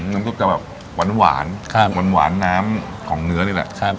น้ำซุปจะแบบหวานหวานน้ำของเนื้อนี่แหละ